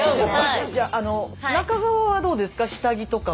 じゃあ中側はどうですか？